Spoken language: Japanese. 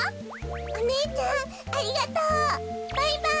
おねえちゃんありがとう。バイバイ。